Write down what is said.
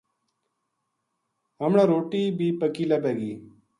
ہمنا روٹی بی پکی لبھے گی